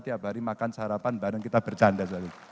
tiap hari makan sarapan bareng kita bercanda